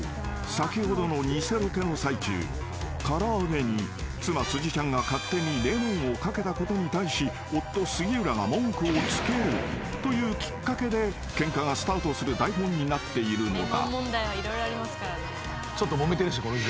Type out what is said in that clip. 先ほどの偽ロケの最中唐揚げに妻辻ちゃんが勝手にレモンをかけたことに対し夫杉浦が文句をつけるというきっかけでケンカがスタートする台本になっているのだ］